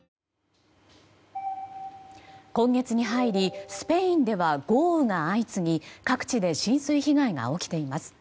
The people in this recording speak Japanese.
今月に入りスペインでは豪雨が相次ぎ各地で浸水被害が起きています。